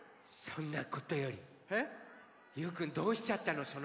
そんなことよりゆうくんどうしちゃったの？